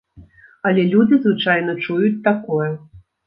Але людзі звычайна чуюць такое.